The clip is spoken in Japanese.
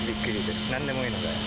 何でもいいので。